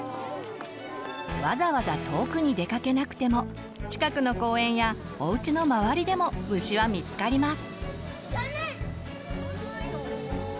わざわざ遠くに出かけなくても近くの公園やおうちの周りでも虫は見つかります。